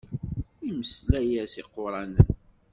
Imeslay-as iquṛanen.